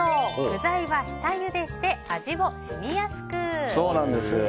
具材は下ゆでして味を染みやすく！